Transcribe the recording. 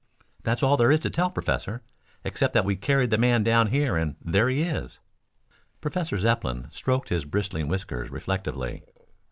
"That's all there is to tell, Professor, except that we carried the man down here and there he is." Professor Zepplin stroked his bristling whiskers reflectively.